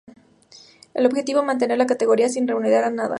El objetivo, mantener la categoría sin renunciar a nada.